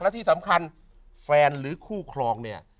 และที่สำคัญแฟนหรือคู่ครองเนี่ย